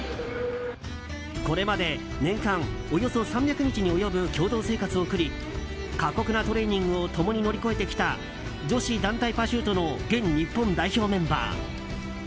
これまで年間およそ３００日に及ぶ共同生活を送り過酷なトレーニングを共に乗り越えてきた女子団体パシュートの現日本代表メンバー。